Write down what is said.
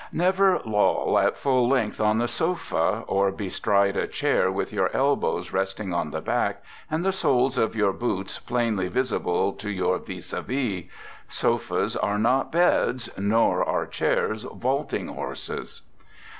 Never loll at full length on the sofa, or bestride a chair with your elbows resting on the back, and the soles of your boots plainly visible to your vis a vis. Sofas are not beds, nor are chairs vaulting horses.